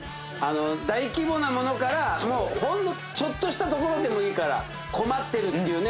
大規模なものからもうほんのちょっとしたところでもいいから困ってるっていうね